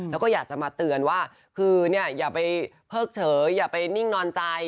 แล้วก็อยากจะมาเตือนว่าคืออย่าไปเพิกเฉยอย่าไปนิ่งนอนใจ